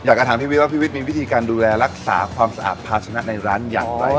อยากจะถามพี่วิทย์ว่าพี่วิทย์มีวิธีการดูแลรักษาความสะอาดภาชนะในร้านอย่างไร